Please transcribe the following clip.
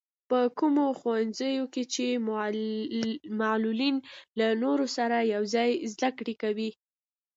په کومو ښوونځیو کې چې معلولين له نورو سره يوځای زده کړې کوي.